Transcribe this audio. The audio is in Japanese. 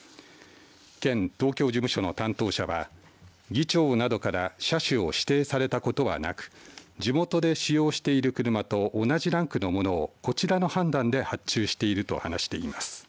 県東京事務所の担当者は議長などから車種を指定されたことはなく地元で使用している車と同じランクのものをこちらの判断で発注していると話しています。